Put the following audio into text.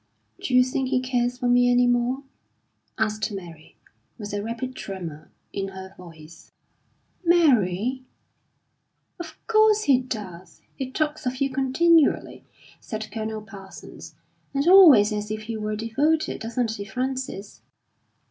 "D'you think he cares for me any more?" asked Mary, with a rapid tremor in her voice. "Mary!" "Of course he does! He talks of you continually," said Colonel Parsons, "and always as if he were devoted. Doesn't he, Frances?"